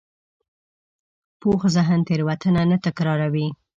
پوخ ذهن تېروتنه نه تکراروي